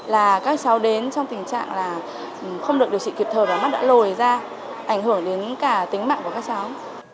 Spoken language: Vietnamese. là các cháu đến trong tình trạng là không được điều trị kịp thời và mắt đã lồi ra ảnh hưởng đến cả tính mạng của các cháu